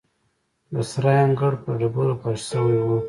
د سرای انګړ په ډبرو فرش شوی و.